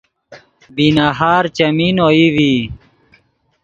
بی نہار چیمین اوئی ڤی